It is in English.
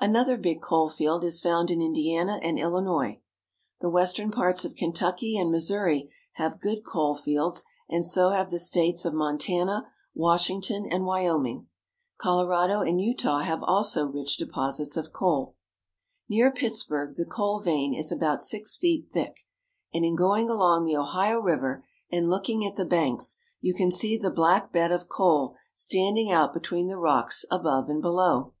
Another big coal field is found in Indiana and Illinois. The western parts of Kentucky and Missouri have good coal fields, and so have the states of Montana, Washing ton, and Wyoming. Colorado and Utah have also rich deposits of coal. IN A MINE. 215 Near Pittsburg the coal vein is about six feet thick ; and in going along the Ohio River, and looking at the banks, you can see the black bed of coal standing out between the rocks above and below.